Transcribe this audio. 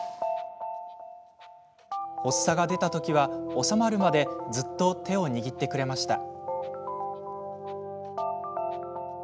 発作が出たときは、治まるまでずっと手を握ってくれました。